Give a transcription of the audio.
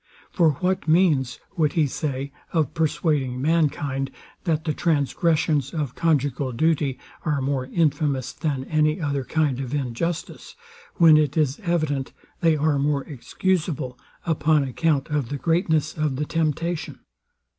For what means, would he say, of persuading mankind, that the transgressions of conjugal duty are more infamous than any other kind of injustice, when it is evident they are more excusable, upon account of the greatness of the temptation?